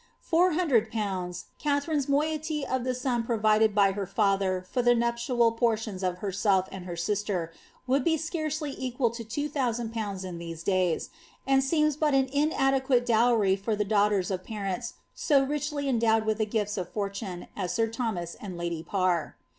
Four hundred pounds, Katharine's moiety of the sum provided by her father for the nuptial portions of herself and her sister, would be scarcelf equal to two thousand pounds in these days, and seems but an inadeqoalt dowry for the daughters of parents so richly endowed with the gifts of fortune as sir Thomas and lady Parr.